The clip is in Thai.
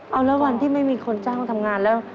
เอาแล้ววันที่ไม่มีคนจ้างทำงานแล้ว